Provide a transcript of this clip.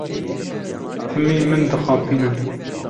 Timî min dixapînin.